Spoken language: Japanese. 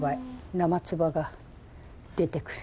生唾が出てくる。